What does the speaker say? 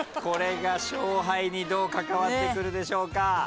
これが勝敗にどう関わってくるでしょうか。